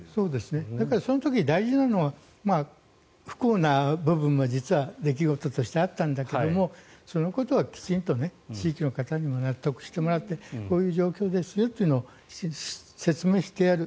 だからその時に大事なのは不幸な部分も実は出来事としてあったんだけどもそのことはきちんと地域の方に納得してもらってこういう状況ですよというのをきちんと説明してやる。